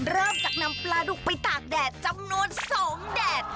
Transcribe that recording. เริ่มจากนำปลาดุกไปตากแดดจำนวน๒แดด